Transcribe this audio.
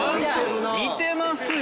見てますよ！